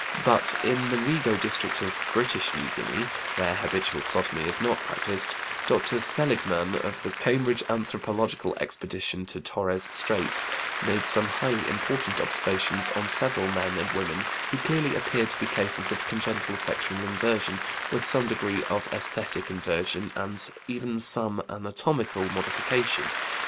But in the Rigo district of British New Guinea, where habitual sodomy is not practised, Dr. Seligmann, of the Cambridge Anthropological Expedition to Torres Straits, made some highly important observations on several men and women who clearly appeared to be cases of congenital sexual inversion with some degree of esthetic inversion and even some anatomical modification.